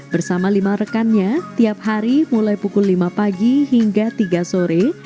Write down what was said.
bersama lima rekannya tiap hari mulai pukul lima pagi hingga tiga sore